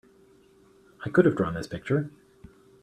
I could have drawn this picture!